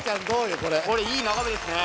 これこれいい眺めですね